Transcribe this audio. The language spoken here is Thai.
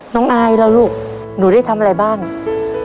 น้องอายแล้วลูกหนูได้ทำอะไรบ้าง